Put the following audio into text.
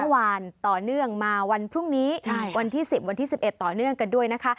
วันต่อเนื่องมาวันพรุ่งนี้วันที่๑๐วันที่๑๑ต่อเนื่องกันด้วยนะคะ